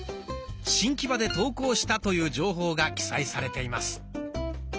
新木場で投稿したという情報が記載されています。